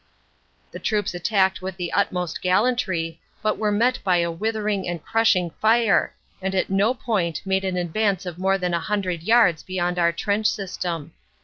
The troops attacked with the utmost gallantry but were met by a withering and crushing fire, and at no point made an advance of more than a hundred yards beyond our trench system.